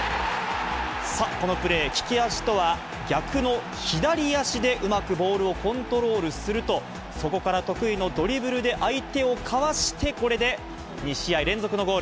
このプレー、利き足とは逆の左足でうまくボールをコントロールすると、そこから得意のドリブルで相手をかわして、これで２試合連続のゴール。